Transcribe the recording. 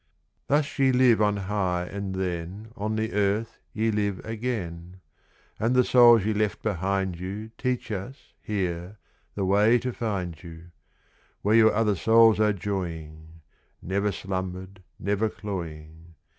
Thus ye live on high, and then On the earth ye live again; And the souls ye left behind you Teach us, here, the way to find you, Where your other souls are joying, Never slumber'd, never cloying.